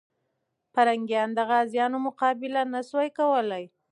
پرنګیان د غازيانو مقابله نه سوه کولای.